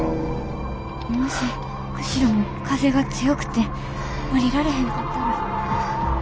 もし釧路も風が強くて降りられへんかったら。